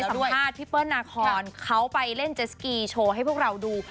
สัมภาษณ์พี่เปิ้ลนาคอนเขาไปเล่นเจสกีโชว์ให้พวกเราดู